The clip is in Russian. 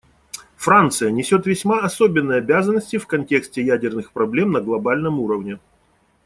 Франция несет весьма особенные обязанности в контексте ядерных проблем на глобальном уровне.